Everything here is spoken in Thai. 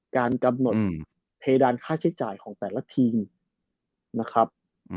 การกำหนดเพดานค่าใช้จ่ายของแต่ละทีมนะครับ